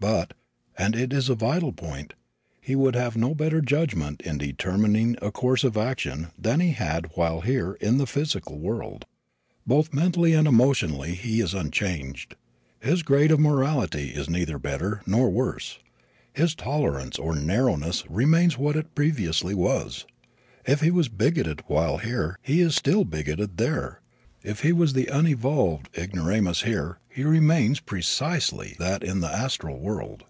But and it is a vital point he would have no better judgment in determining a course of action than he had while here in the physical world. Both mentally and emotionally he is unchanged. His grade of morality is neither better nor worse. His tolerance or narrowness remains what it previously was. If he was bigoted while here he is still bigoted there. If he was the unevolved ignoramus here he remains precisely that in the astral world.